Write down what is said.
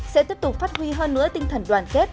sẽ tiếp tục phát huy hơn nữa tinh thần đoàn kết